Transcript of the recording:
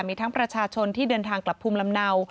มีทั้งประชาชนที่เดินทางกลับภูมิลำเนา